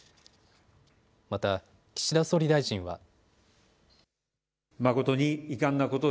また、岸田総理大臣は。